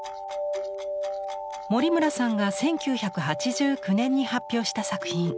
森村さんが１９８９年に発表した作品。